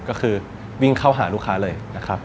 ก็คือวิ่งเข้าหาลูกค้าเลยนะครับ